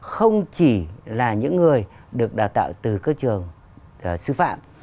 không chỉ là những người được đào tạo từ các trường sư phạm